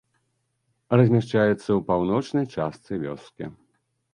Размяшчаецца ў паўночнай частцы вёскі.